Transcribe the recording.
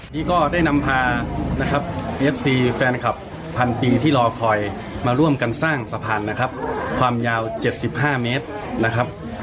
นี่ก็ได้นำพานะครับเอฟซีแฟนคลับพันปิงที่รอคอยมาร่วมกันสร้างสะพานนะครับความยาว๗๕เมตรนะครับ